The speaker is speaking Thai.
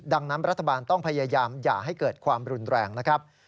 ดังนั้นรัฐบาลต้องพยายามอย่าให้เกิดความรุนแรงนะครับ